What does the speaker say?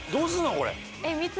これ。